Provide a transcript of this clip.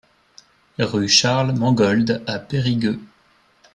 Rue Charles Mangold à Périgueux